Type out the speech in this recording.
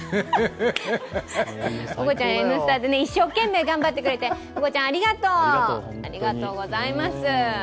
ココちゃん、「Ｎスタ」で一生懸命頑張ってくれて、ココちゃん、ありがとう。